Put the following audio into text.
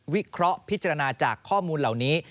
วิเคราะห์พิจารณาจากข้อมูลเหล่านี้